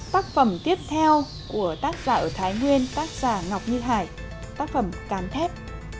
tác phẩm tiếp theo của tác giả ở thái nguyên tác giả ngọc như hải tác phẩm cán thép